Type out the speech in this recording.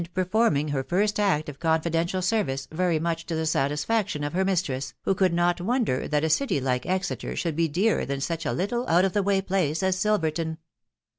performing her first act of confidential service sery much *t© the satisfaction of her mistress, who could not wonder <hat a city hfce JEtoeter should be dearer than such a little ont~of~she~ way place as Silverton.